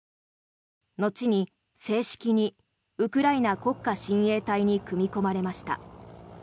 後に正式にウクライナ国家親衛隊に組み込まれました。